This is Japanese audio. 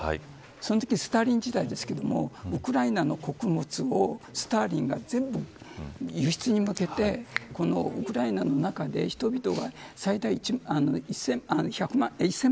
そのとき、スターリン時代ですがウクライナの穀物をスターリンが全部輸出に向けてウクライナの中で人々が最大１０００万人か。